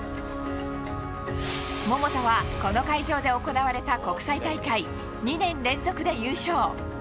桃田はこの会場で行われた国際大会２年連続で優勝。